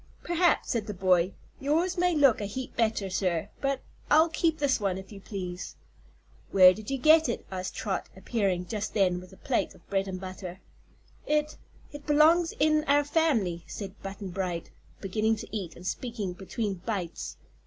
"Perhaps," said the boy. "Yours may look a heap better, sir, but I'll keep this one, if you please." "Where did you get it?" asked Trot, appearing just then with a plate of bread and butter. "It it belongs in our family," said Button Bright, beginning to eat and speaking between bites.